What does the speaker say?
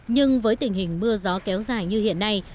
nhưng với tình hình mưa gió kéo dài như hiện nay